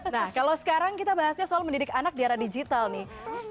nah kalau sekarang kita bahasnya soal mendidik anak di era digital nih